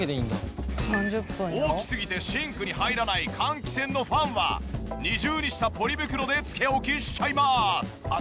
大きすぎてシンクに入らない換気扇のファンは２重にしたポリ袋でつけ置きしちゃいます。